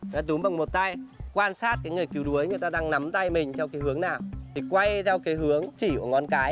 đã túm bằng một tay quan sát cái người cứu đuối người ta đang nắm tay mình theo cái hướng nào để quay theo cái hướng chỉ của ngón cái